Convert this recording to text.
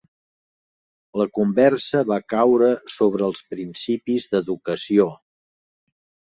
La conversa va caure sobre els principis d'educació.